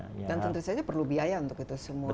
dan tentu saja perlu biaya untuk itu semua